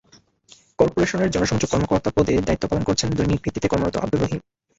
করপোরেশনের জনসংযোগ কর্মকর্তা পদে দায়িত্ব পালন করছেন দৈনিক ভিত্তিতে কর্মরত আবদুর রহিম।